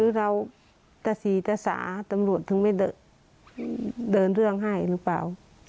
เราตะสีตะสาตำรวจถึงไม่เดินเรื่องให้หรือเปล่า